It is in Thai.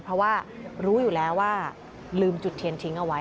เพราะว่ารู้อยู่แล้วว่าลืมจุดเทียนทิ้งเอาไว้